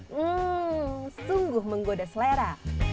hmm sungguh menggoda selera